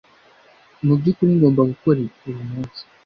Mu byukuri ngomba gukora ibi uyu munsi